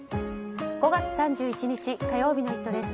５月３１日火曜日の「イット！」です。